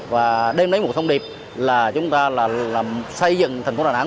và đem lấy một thông điệp là chúng ta là xây dựng thành phố đà nẵng